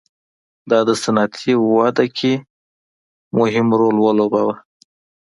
دا د صنعتي وده کې مهم رول ولوباوه.